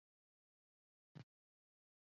楮头红为野牡丹科肉穗草属下的一个种。